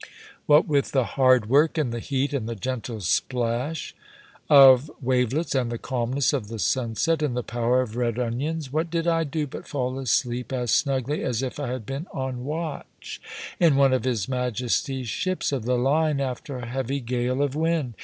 What with the hard work, and the heat, and the gentle plash of wavelets, and the calmness of the sunset, and the power of red onions, what did I do but fall asleep as snugly as if I had been on watch in one of his Majesty's ships of the line after a heavy gale of wind?